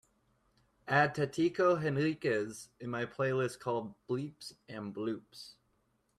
add Tatico Henriquez in my playlist called bleeps & bloops